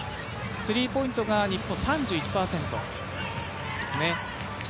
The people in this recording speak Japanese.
スリーポイントが日本３１％ですね。